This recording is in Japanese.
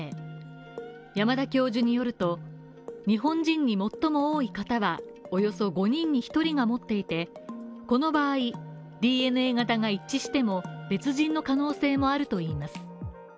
山田教授によると、日本人に最も多い型がおよそ５人に１人が持っていてこの場合、ＤＮＡ型が一致しても別人の可能性もあるといいます。